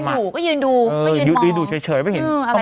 อ้าวยืนอยู่ก็ยืนดูไม่ยืนมอง